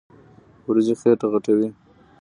وريجې خيټه غټوي.